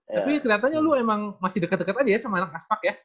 tapi keliatannya lo emang masih deket deket aja ya sama anak aspak ya